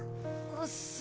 おっす。